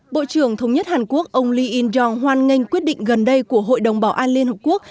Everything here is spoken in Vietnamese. bộ trưởng thống nhất hàn quốc ông lee in jong hoan nghênh quyết định gần đây của hội đồng bảo an liên hợp quốc